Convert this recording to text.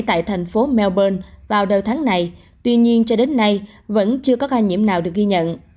tại thành phố melbourne vào đầu tháng này tuy nhiên cho đến nay vẫn chưa có ca nhiễm nào được ghi nhận